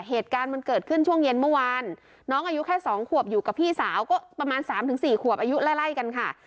เหตุการณ์มันเกิดขึ้นช่วงเย็นเมื่อวานน้องอายุแค่๒ขวบอยู่กับพี่สาวก็ประมาณ๓๔ขวบอายุไล่กันค่ะ